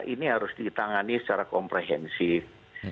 ini harus ditangani secara komprehensif